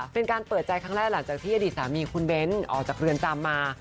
เป็นการเปิดใจครั้งแรกหลังจากที่อดีตสามีคุณเบ้นออกจากเรือนจำมา